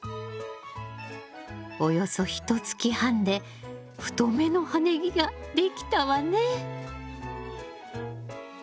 およそひとつき半で太めの葉ネギができたわね。